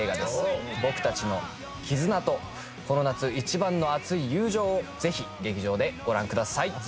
僕たちの絆とこの夏一番の熱い友情をぜひ劇場でご覧ください。